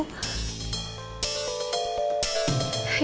semuanya jadi kacau